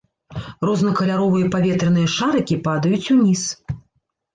Рознакаляровыя паветраныя шарыкі падаюць уніз.